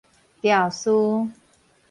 肇事